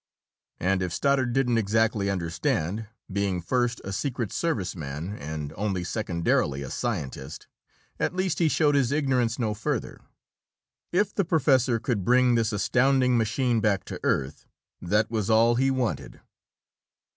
And if Stoddard didn't exactly understand, being first a secret service man and only secondarily a scientist, at least he showed his ignorance no further. If the professor could bring this astounding machine back to Earth, that was all he wanted.